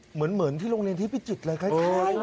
เหมือนที่โรงเวียนที่พิจิตรนะครับ